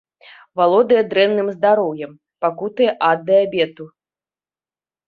Валодае дрэнным здароўем, пакутуе ад дыябету.